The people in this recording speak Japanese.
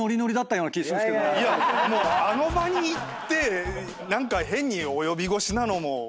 いやもうあの場に行って何か変に及び腰なのも。